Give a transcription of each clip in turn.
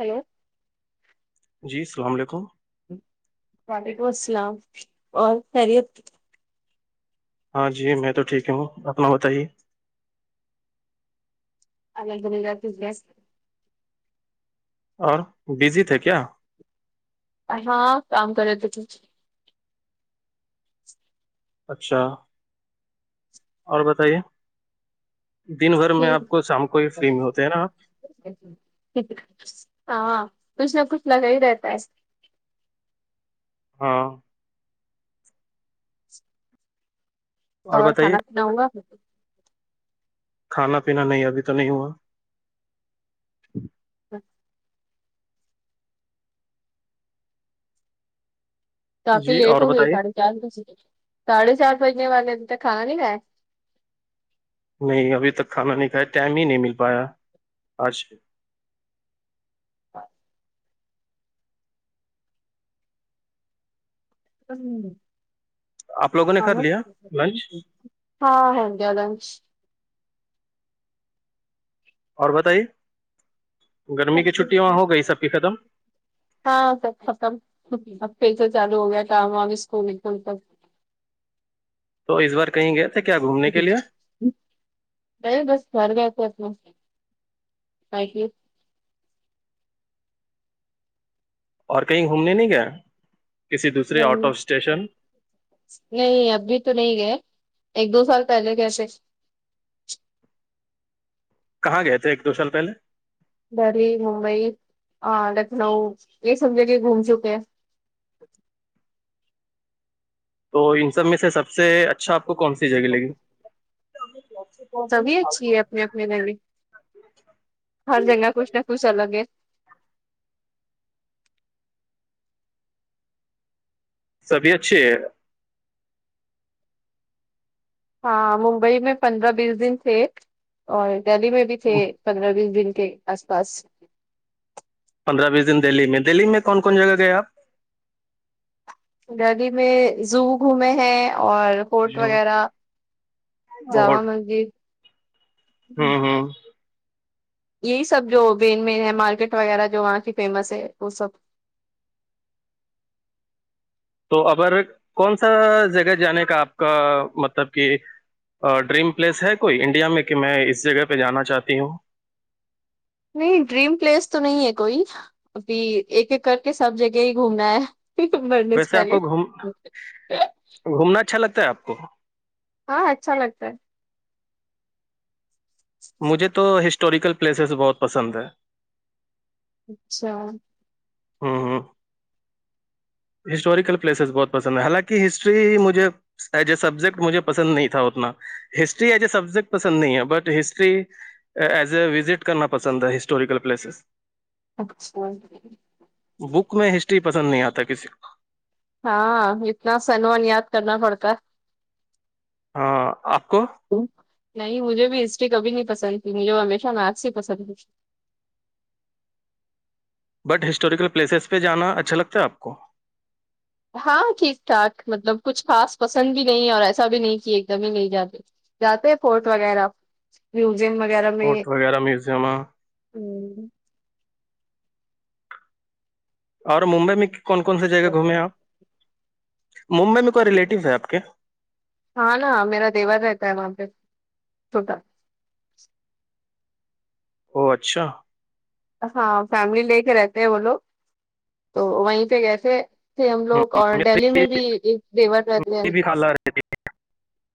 Hello جی السلام علیکم وعلیکم السلام اور خیریت ہاں جی میں تو ٹھیک ہوں اپنا بتائیے اگر گ تری اور بزی تھے کیا ہاں کام کرے ت اچھا اور بتائیے دن بھر میں آپ کو شام کو ہی فری میں ہوتے ہیں نا ہاں کچھ نہ کچھ لگا ہی رہتا ہے ہاں اور کھانا پینا ہوا پھر کھانا پینا نہیں ابھی تو نہیں ہوا [unintelligible] کافی جی لیٹ اور ہو گئی بتائیے ساڑھے چار بجے ساڑھے چار بجنے والے ابھی تک کھا نہیں کھائے نہیں ابھی تک کھانا نہیں کھایا ٹائم ہی نہیں مل پایا آج سے [unintelligible] ہ آپ لوگوں نے کر لیا لنچ ہاں ہ گے الدن اور بتائیے گرمی کی چھٹی وہاں ہو گئی سب کی ختم ہاں س پکم ہے تو چالو ہو گیا کام آ بھی اسکولکن تو تو اس بار کہیں گئے تھے کیا گھومنے کے لیے [unintelligible] نہیں بس گھر گ تو مس بک اور کہیں گھومنے نہیں گیا کسی دوسرے آؤٹ نہیں آف اسٹیشن نہیں ابھی تو نہیں گئے ایک دو سال پہلے کیسے کہاں گئے تھے ایک دو سال پہلے دہلی ممبئی لکھنؤ یہ سم جگے گھوم چکے ہیں تو ان سب میں سے سب سے اچھا آپ کو کون سی جگہ لگی سبھی اچھی ہے اپنے اپنے ریلی ہر جگہ کچھ نہ کچھ الگ ہے سبھی اچھے ہے ہاں ممبئی میں پندرہ بیس دن تھ اور دہلی میں بھی تھے پندرہ بیس دن کے آس پاس پندرہ بیس دن دہلی میں دہلی میں کون کون جگہ گئے آپ دہلی میں زو گھومے ہیں اور فٹ آپ وغیرہ اور جامع مسجد ہوں ہوں یہی سب جو مین مین ہے مارکیٹ وغیرہ جو وہاں کی فیمس ہے وہ سب تو اگر کون سا جگہ جانے کا آپ کا مطلب کہ ڈریم پلیس ہے کوئی انڈیا میں کہ میں اس جگہ پہ جانا چاہتی ہوں نہیں ڈریم پلیس تو نہیں ہے کوئی ابھی ایک ایک کر کے سب جگہ ہی گھومنا ہے بڈس ویسے آپ پال کو گھوم گھومنا اچھا لگتا ہے آپ کو ہاں اچھا لگتا ہے مجھے تو ہسٹوریکل پلیسز بہت پسند ہے اچھا ہوں ہوں ہسٹوریکل پلیسز بہت پسند ہیں حالانکہ ہسٹری مجھے ایز اے سبجیکٹ مجھے پسند نہیں تھا اتنا ہسٹری ایز اے سبجیکٹ پسند نہیں ہے but history as a visit کرنا پسند ہے ہسٹوریکل پلیسز اکول اسٹی پسند نہیں آتا کسی کو ہاں اتنا سنوان یاد کرنا پڑتا ہے ہاں آ کوو نہیں مجھے بھی ہسٹری کبھی نہیں پسند تھی مجھے وہ ہمیشہ میتھس ہی پسند تھی بٹ ہسٹوریکل پلیسز پہ جانا اچھا لگتا ہے آپ کو ہاں ٹھیک ٹھاک مطلب کچھ خاص پسند بھی نہیں ہے اور ایسا بھی نہیں کہ ایک دم ہی نہیں جاتے جاتے ہیں فورٹ وغیرہ میوزیم وغیرہ میں کوورٹ وغیرہ میوزیم ہوں اور ممبئی میں کون کون سی جگہ گھومے آپ ممبئی میں کوئی ریلیٹیو ہے آپ کے ہاں نا میرا دیور رہتا ہے وہاں پہ سوٹا او اچھا ہاں فیملی لے کے رہتے ہیں وہ لوگ تو وہیں پہ گسے تھے ہم ہوں، لوگ اور دہلی میری میں بھی ایک دیور رہتے س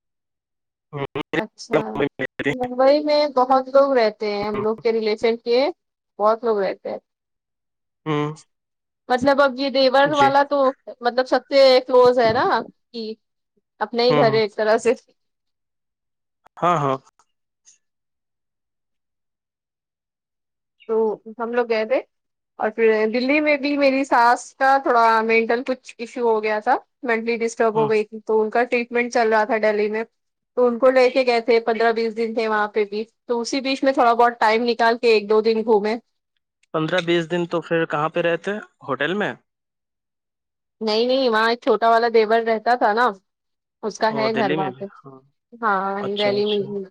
اچھا میں رہتی دبئی میں بہت لوگ رہتے ہیں ہے۔ ہم لوگ کے ریلیشن کے بہت لوگ رہتے ہیں ہوں، [inaudible] مطلب اب یہ دیور ہوں، جی والا تو مطلب سب سے کلوز ہے نا کہ اپنے ہی ہوں گھر ہوں ایک طرح سے ہاں ہاں تو ہم لوگ گئے تھے اور پھر دلی میں بھی میری سس کا تھوڑا مینٹل کچھ ایشو ہو گیا تھا مینٹلی ڈسٹرب ہو ہاں گئی تھی تو ان کا ٹریٹمنٹ چل رہا تھا ڈیلی میں تو ان کو لے کے گئے تھے پندرہ بیس دن تھے وہاں پہ بھی تو اسی بیچ میں تھوڑا بہت ٹائم نکال کے ایک دو دن گھومے پندرہ بیس دن تو پھر کہاں پہ رہتے ہوٹل میں نہیں نہیں وہاں ایک چھوٹا والا دیور رہتا تھا نا اس کا او ہے گھر دلی میں بھی ہاں واپس ہاں اچھا دہلی میں اچھا ہی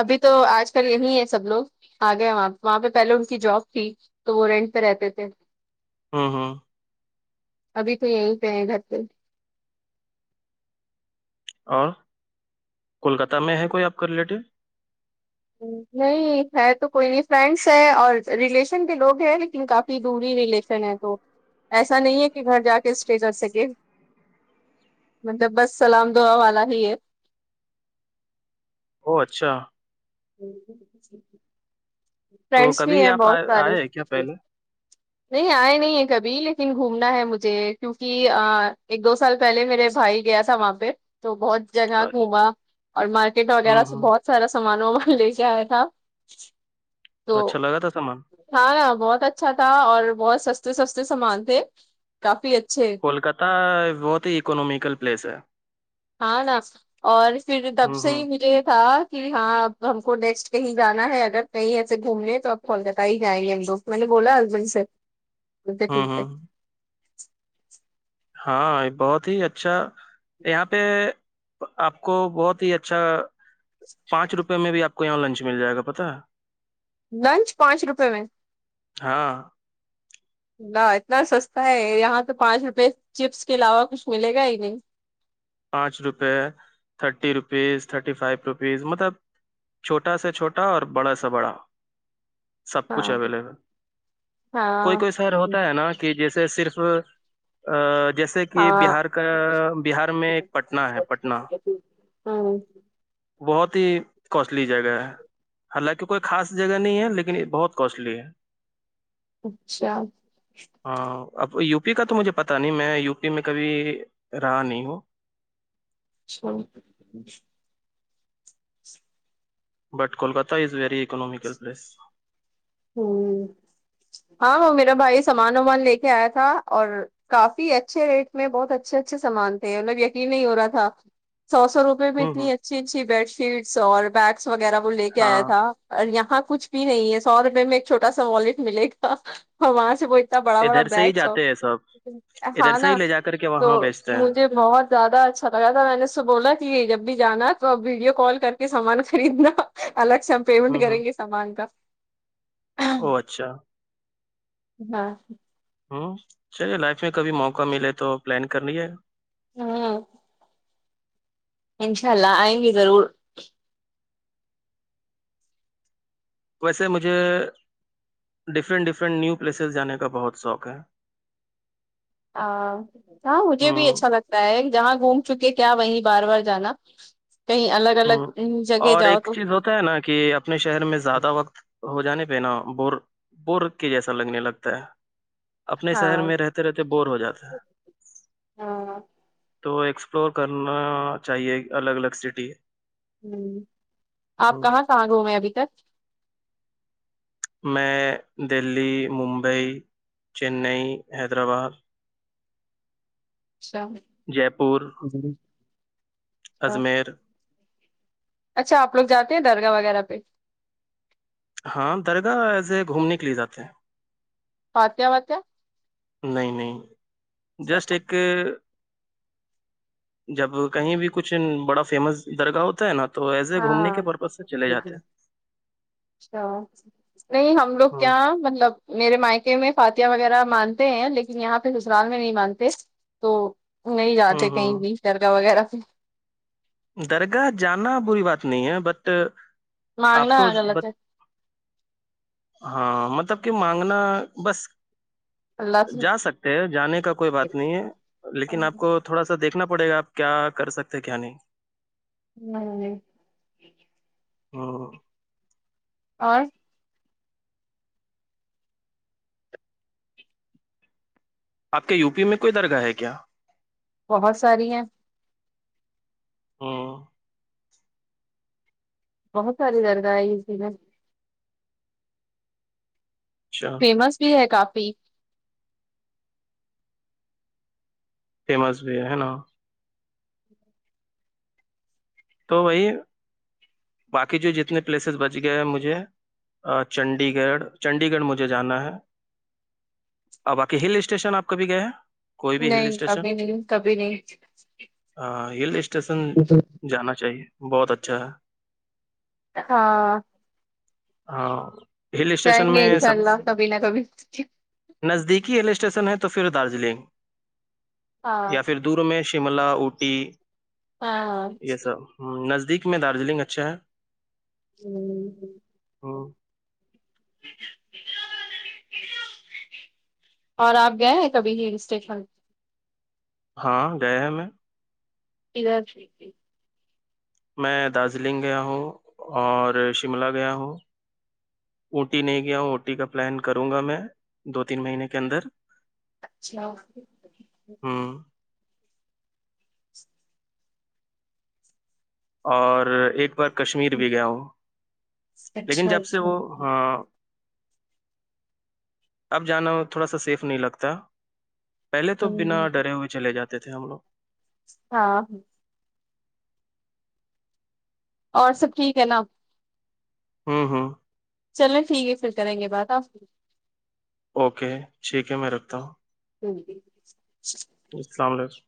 ابھی تو آج کل یہی ہے سب لوگ آ گئے وہاں وہاں پہ پہلے ان کی جاب تھی تو وہ رینٹ پہ رہتے تھے ہاں ہاں ابھی تو یہیں پہ ہیں گھر پہ اور کولکتہ میں ہے کوئی آپ کا ریلیٹو نہیں ہے تو کوئی نہیں فرینڈس ہے اور ریلیشن کے لوگ ہیں لیکن کافی دوری ریلیشن تو ایسا نہیں ہے کہ گھر جا کے اسٹیج کر سکے مطلب بس سلام دعا والا ہی ہے او اچھا تو فرینڈس بھی کبھی ہیں آپ بہت آئے سارے آئے ہیں کیا پہلے نہیں آئے نہیں ہے کبھی لیکن گھومنا ہے مجھے کیونکہ ایک دو سال پہلے میرے بھائی گیا تھا وہاں پہ تو بہت جگہ اچھا گھوما اور مارکیٹ وغیرہ ہوں س ہوں بہت سارا سمان ومان لے کے آیا تھا تو اچھا لگا تھا سامان ہاں ہ بہت اچھا تھا اور بہت سستے سستے سامان تھے کافی اچھے کولکہ بہت ہی اکنامکل پلیس ہے ہاں نا اور پھر دب ہوں سے ہی ہوں ملے تھا کہ ہاں ا ہم کو نیکسٹ کہیں جانا ہے اگر کہیں ایسے گھومنے تو اپ کولکہ ہی جائیں گے ہم لوگ میں نے بولا ہسبینڈ سے ب ہوں ٹھیک ہے ہوں ہاں بہت ہی اچھا یہاں پہ آپ کو بہت ہی اچھا پانچ روپے میں بھی آپ کو یہاں لنچ مل جائے گا پتا لنچ پانچ روپے میں ہاں نہ اتنا سستا ہے یہاں تو پانچ روپے چپس کے علاوہ کچھ ملے گا ہی نہیں پانچ روپے thirty rupees thirty five rupees مطلب چھوٹا سا چھوٹا اور بڑا سا بڑا سب کچھ ہاں اویلیبل کوئی ہاں کوئی سر ہوتا ہے نا کہ جیسے صرف جیسے کہ ہاں بہار کا بہار میں پٹنہ ہے پٹنہ ہوں بہت ہی کوسٹلی جگہ ہے حالانکہ کوئی خاص جگہ نہیں ہے لیکن یہ بہت کوسٹلی ہے اچھا ہاں اب یو پی کا تو مجھے پتا نہیں میں یو پی میں کبھی رہا نہیں ہوں [unintelligible] but Kolkata is very economical place ہ ہاں وہاں میرا بھائی سامان وامان لے کے آیا تھا اور کافی اچھے ریٹ میں بہت اچھے اچھے سامان تھے مطلب یقین نہیں ہو رہا تھا سو سو روپ میں ہوں ہوں اتنی اچھی اچھی بیڈ شیٹس اور بیگس وغیرہ وہ لے کے آیا ہاں تھا اور یہاں کچھ بھی نہیں ہے سو روپے میں ایک چھوٹا سا والٹ ملے گا اور وہاں سے وہ انا بڑا بڑا ادھر سے بیگ ہی س ہو جاتے ہیں سب ادھر ہاں سے ہی نا لے جا کر کے تو وہاں بیچتے ہیں مجھے بہت زیادہ اچھا لگا تھا میں نے اس سے بولا کہ جب بھی جانا تو ا ویڈیو کال کر کے سامان خریدنا الگ سے ہم پیمنٹ ہوں ہوں کریں گے سامان کا او اچھا ہاں ہوں چلیے لائف میں کبھی موقع ملے تو پلان کر لیجے ہوں انشاء اللہ آئیں گے ضرور ویسے مجھے ڈفرینٹ ڈفرینٹ نیو پلیسز جانے کا بہت شوق ہے ا ہاں مجھے بھی ہوں اچھا لگتا تا ہے جہاں گھوم چکے کیا وہیں بار بار جانا کہیں الگ الگ ہوں جگہ اور جاؤ ایک تو چیز ہوتا ہے نا کہ اپنے شہر میں زیادہ وقت ہو جانے پہ نا بور بور کے جیسا لگنے لگتا ہے اپنے شہر ہاں میں رہتے رہتے بور ہو جاتے ہیں ہاں تو ایکسپلور کرنا چاہیے الگ الگ سٹی ہ آپ کہاں کہاں گ میں ابھی تک میں دہلی ممبئی چینئی حیدرآباد اچھا جے پور اجمیر اچھاپ لوگ جے ہیں درگاہ وغیرہ پہ ہاں درگاہ ایسے گھومنے کے لیے جاتے ہیں پاتیا واتیا نہیں نہیں جسٹ ایک جب کہیں بھی کچھ بڑا فیمس درگاہ ہوتا ہے نا تو ایز اے گھومنے ہاں کے پرپز سے چلے جاتے ہیں اچھا نہیں ہم لوگ ہوں کیا مطلب میرے مائکے میں فاتیہ وغیرہ مانتے ہیں لیکن یہاں پھر سسرال میں نہیں مانتے تو نہیں ہوں جاتے کہیں بھی ہوں شر کاا وغیرہ پ درگاہ جانا بری بات نہیں ہے بٹ آپ مانگنا کو غلط ہے ہاں مطلب کہ مانگنا بس اللہ جا سکتے ہیں جانے کا کوئی بات نہیں سے ہے لیکن آپ کو تھوڑا سا دیکھنا پڑے گا آپ کیا کر سکتے ہیں کیا نہیں ہ جی ہاں اور آپ کے یو پی میں کوئی درگاہ ہے کیا بہت ساری ہیں ہاں بہت ساری درگاہ آئی س نا اچھا فمس بھی ہے کافی فیمس بھی ہے ہے نا تو وہی باقی جو جتنے پلیسز بچ گئے ہیں مجھے چنڈی گڑھ چنڈی گڑھ مجھے جانا ہے باقی ہل اسٹیشن آپ کبھی گئے ہیں کوئی نہیں کبھی نہیں کبھی نہیں ہاں ہل اسٹیشن جانا چاہیے بہت اچھا ہے ہاں ہاں ہل جائیں اسٹیشن گے میں انشاء سب اللہ کبھی نہ کبھی نزدیکی ہل اسٹیشن ہے تو پھر دارجلنگ ہاں یا پھر دور میں شملہ اوٹی ہاں ہوں۔ یہ سب ہ نزدیک میں دارجلنگ اچھا ہے ہوں ہم، اور آپ گئے ہیں کبھی ہی اسٹیشن ہاں گئے ہیں میں اھا ھیک ہے میں دارجلنگ گیا ہوں اور شملہ گیا ہوں اٹی نہیں گیا ہ اٹی کا پلان کروں گا میں دو تین مہینے کے اندر اچھا ہوں اور ایک بار کشمیر بھی گیا ہوں لیکن اچھا جب سے اچھا وہ ہاں اب جانا تھوڑا سا سیف نہیں لگتا پہلے ہ تو بنا ڈرے ہوئے چلے جاتے تھے ہم لوگ ہاں ہاں اور سب ٹھیک ہے نا ہوں ہوں چلیں ٹھیک ہے پھر کریں گے بات آپ اوکے ٹھیک ہے میں رکھتا ہوں جی جی السلام علیکم